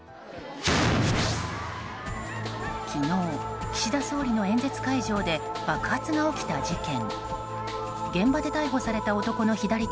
昨日、岸田総理の演説会場で爆発が起きた事件。